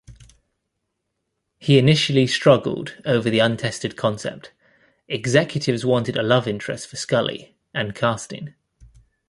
He initially struggled over the untested concept-executives wanted a love interest for Scully-and casting.